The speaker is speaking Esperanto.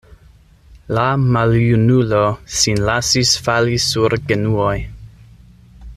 La maljunulo sin lasis fali sur genuoj.